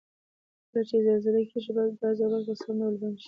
کله چې زلزله کیږي باید ګاز او برق په سم ډول بند شي؟